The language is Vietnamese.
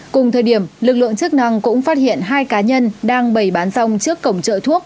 cùng thời điểm lực lượng chức năng cũng phát hiện hai cá nhân đang bày bán xong trước cổng chợ thuốc